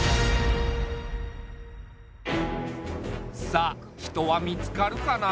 さあ人は見つかるかな？